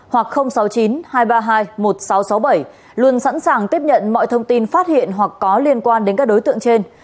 hoặc sáu mươi chín hai trăm ba mươi hai một nghìn sáu trăm sáu mươi bảy luôn sẵn sàng tiếp nhận mọi thông tin phát hiện hoặc có liên quan đến các đối tượng trên